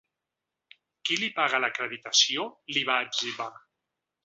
Qui li paga l’acreditació?, li va etzibar.